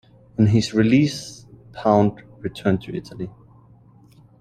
On his release, Pound returned to Italy.